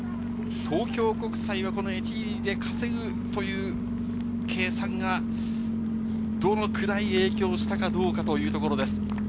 東京国際はこのエティーリで稼ぐという計算がどのくらい影響したかどうかというところです。